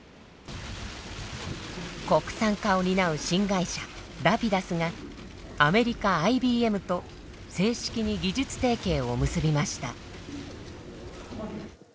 国産化を担う新会社ラピダスがアメリカＩＢＭと正式に技術提携を結びました。